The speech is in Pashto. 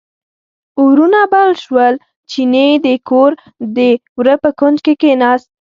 اورونه بل شول، چیني د کور د وره په کونج کې کیناست.